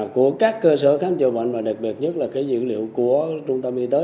của các cơ sở khám chữa bệnh và đặc biệt nhất là dữ liệu của trung tâm y tế